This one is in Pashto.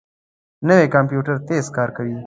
نوی کمپیوټر تېز کار کوي